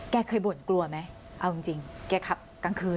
คุณเป็นบนกลัวไหมเอาจริงกินคับกลางคืน